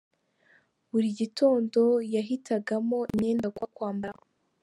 Buri gitondo yahitagamo imyenda agomba kwambara.